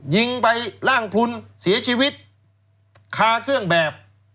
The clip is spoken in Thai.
ยิงไปร่างพลุนเสียชีวิตคาเครื่องแบบ